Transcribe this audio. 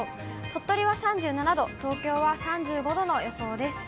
鳥取は３７度、東京は３５度の予想です。